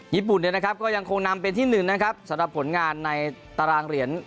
ญี่ปุ่นเนี่ยนะครับก็ยังคงนำเป็นที่หนึ่งนะครับสำหรับผลงานในตารางเหรียญ